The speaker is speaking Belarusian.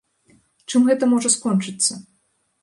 Чым гэта можа скончыцца?